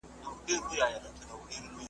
هريو څاڅکی يې هلمند دی `